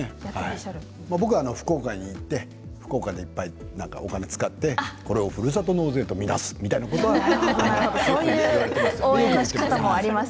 僕は福岡に行って福岡でいっぱいお金を使ってふるさと納税と見なすということはやっています。